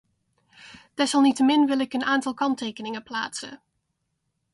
Desalniettemin wil ik een aantal kanttekeningen plaatsen.